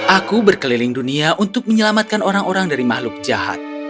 aku berkeliling dunia untuk menyelamatkan orang orang dari makhluk jahat